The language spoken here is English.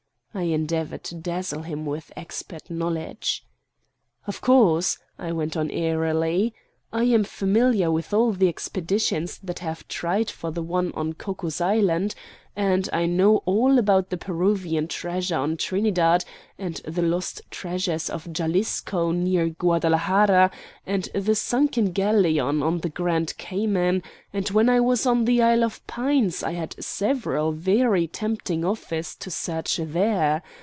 I endeavored to dazzle him with expert knowledge. "Of course," I went on airily, "I am familiar with all the expeditions that have tried for the one on Cocos Island, and I know all about the Peruvian treasure on Trinidad, and the lost treasures of Jalisco near Guadalajara, and the sunken galleon on the Grand Cayman, and when I was on the Isle of Pines I had several very tempting offers to search there.